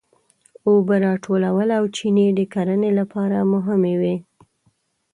اوبه راټولول او چینې د کرنې لپاره مهمې وې.